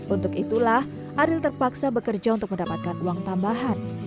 untuk itulah ariel terpaksa bekerja untuk mendapatkan uang tambahan